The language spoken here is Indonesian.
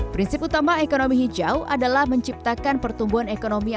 prinsip utama ekonomi hijau adalah menciptakan pertumbuhan ekonomi